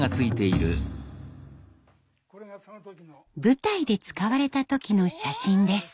舞台で使われた時の写真です。